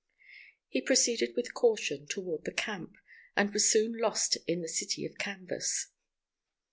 He proceeded with caution toward the camp, and was soon lost in the city of canvas.